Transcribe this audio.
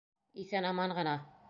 Иҫән-аман ғына.